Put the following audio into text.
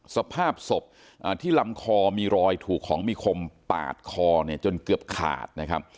สภาพศพที่ลำคอมีรอยถูกของมีคมปาดคอเนี่ยจนเกือบขาดนะครับ